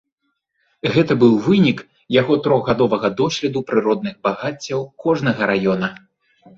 Гэта быў вынік яго трохгадовага доследу прыродных багаццяў кожнага раёна.